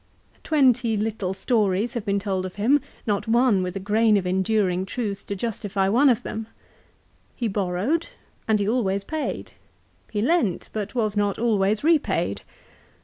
Twenty little stories have been told of him, not one with a grain of enduring truth to justify one of them. He borrowed, and he always paid. He lent, but was not always repaid.